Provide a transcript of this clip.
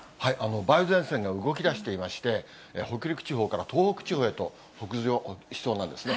梅雨前線が動きだしていまして、北陸地方から東北地方へと北上しそうなんですね。